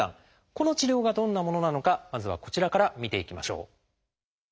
この治療がどんなものなのかまずはこちらから見ていきましょう。